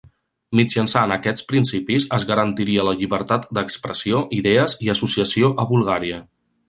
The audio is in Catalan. Mitjançant aquests principis es garantiria la llibertat d'expressió, idees i associació a Bulgària.